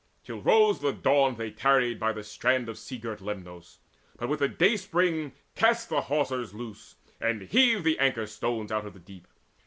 Till rose the dawn they tarried by the strand Of sea girt Lemnos, but with dayspring cast The hawsers loose, and heaved the anchor stones Out of the deep.